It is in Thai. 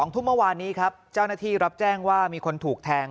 ทุ่มเมื่อวานนี้ครับเจ้าหน้าที่รับแจ้งว่ามีคนถูกแทง